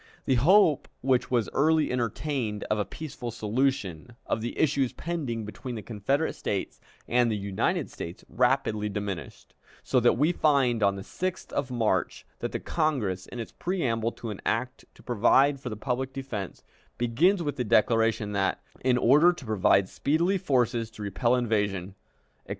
The hope which was early entertained of a peaceful solution of the issues pending between the Confederate States and the United States rapidly diminished, so that we find on the 6th of March that the Congress, in its preamble to an act to provide for the public defense, begins with the declaration that, "in order to provide speedily forces to repel invasion," etc.